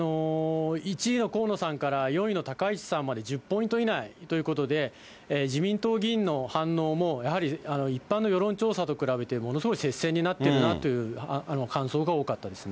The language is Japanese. １位の河野さんから４位の高市さんまで１０ポイント以内ということで、自民党議員の反応も、やはり一般の世論調査と比べて、ものすごい接戦になってるなという感想が多かったですね。